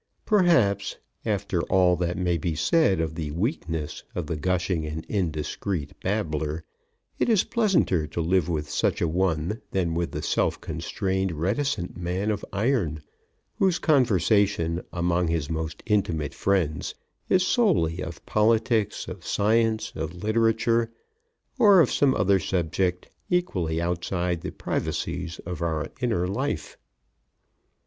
Perhaps, after all that may be said of the weakness of the gushing and indiscreet babbler, it is pleasanter to live with such a one than with the self constrained reticent man of iron, whose conversation among his most intimate friends is solely of politics, of science, of literature, or of some other subject equally outside the privacies of our inner life.